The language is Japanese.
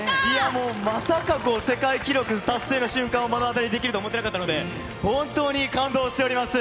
もう、まさか世界記録達成の瞬間を目の当たりにできると思っていなかったので、本当に感動しております。